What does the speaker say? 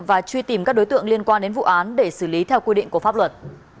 và truy tìm các đối tượng liên quan đến vụ án để xử lý theo quy định của pháp luật